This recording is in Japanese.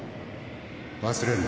忘れるな。